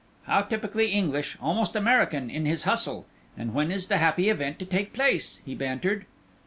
"How typically English, almost American, in his hustle; and when is the happy event to take place?" he bantered.